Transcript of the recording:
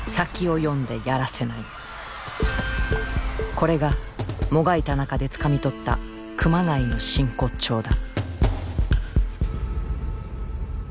これがもがいた中でつかみ取った熊谷の真骨頂だ。